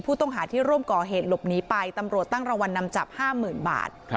ผู้ต้องหาที่ร่วมก่อเหตุหลบหนีไปตำรวจตั้งรางวัลนำจับ๕๐๐๐บาท